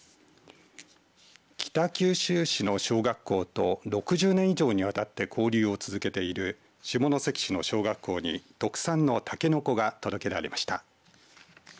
北九州市の小学校と６０年以上にわたって交流を続けている下関市の小学校に特産のたけのこが届けられました。